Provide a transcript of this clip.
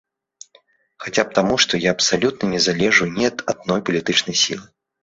Хаця б таму, што я абсалютна не залежу ні ад адной палітычнай сілы.